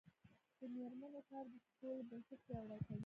د میرمنو کار د سولې بنسټ پیاوړی کوي.